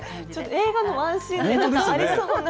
映画のワンシーンにありそうな。